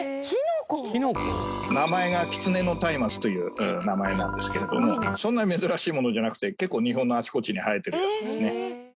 名前がキツネノタイマツという名前なんですけれどもそんなに珍しいものじゃなくて結構日本のあちこちに生えてるやつですね。